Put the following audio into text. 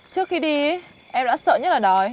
trước khi đi em đã sợ nhất là đói